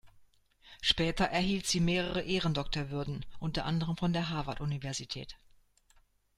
Später erhielt sie mehrere Ehrendoktorwürden, unter anderem von der Harvard-Universität.